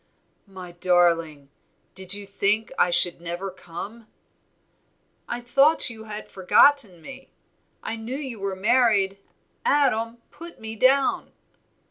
"My darling! did you think I should never come?" "I thought you had forgotten me, I knew you were married. Adam, put me down."